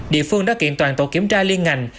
địa phương đã kiện toàn tổ kiểm tra liên ngành